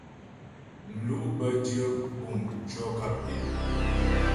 Mlu' bə́ dyə bûm tʉɔ̂ nkap tɛ'.